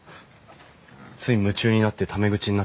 つい夢中になってタメ口になってしまいました。